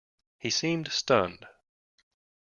He seemed stunned.